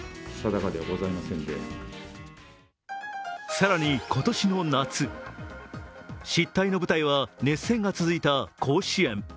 更に今年の夏、失態の舞台は熱戦が続いた甲子園。